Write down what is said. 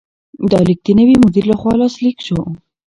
دا لیک د نوي مدیر لخوا لاسلیک شو.